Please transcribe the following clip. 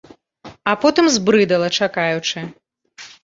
А потым збрыдала, чакаючы.